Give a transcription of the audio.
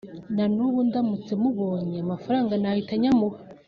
na n’ubu ndamutse mubonye amafaranga nahita nyamuha